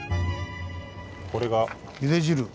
これが。